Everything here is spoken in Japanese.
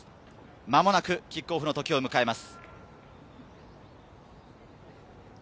間もなくキックオフの時を迎えます。